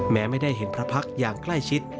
แม้ไม่ได้เห็นพระพักษ์อย่างใกล้ชิด